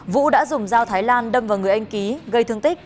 vũ đã dùng dao thái lan đâm vào người anh ký gây thương tích